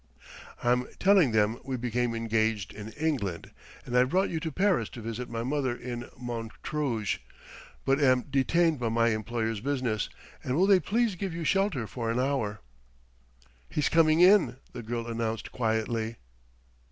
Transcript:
I'm telling them we became engaged in England, and I've brought you to Paris to visit my mother in Montrouge; but am detained by my employer's business; and will they please give you shelter for an hour." "He's coming in," the girl announced quietly.